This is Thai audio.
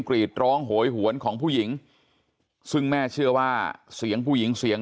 กรีดร้องโหยหวนของผู้หญิงซึ่งแม่เชื่อว่าเสียงผู้หญิงเสียง